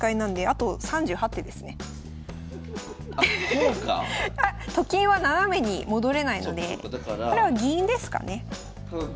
あっと金は斜めに戻れないのでこれは銀ですかね。